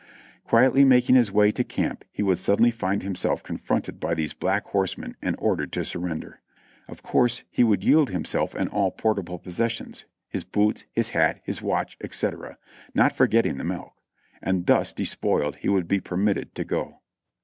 Quietly making his way to camp he would suddenly find himself confronted by these Black Horsemen and ordered to surrender. Of course he would yield himself and all portable possessions, his boots, his hat, his watch, &c., not for getting the milk ; and thus despoiled he would be permitted to go.